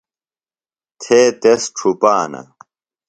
تھے تس ڇُھپانہ.